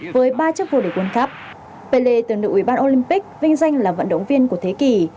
với ba chức vô địch quân cấp pele từng được ủy ban olympic vinh danh là vận động viên của thế kỷ